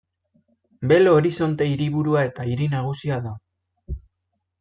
Belo Horizonte hiriburua eta hiri nagusia da.